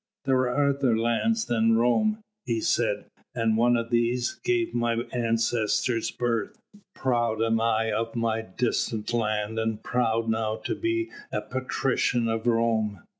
'There are other lands than Rome,' he said, 'and one of these gave my ancestors birth. Proud am I of my distant land, and proud now to be a patrician of Rome.'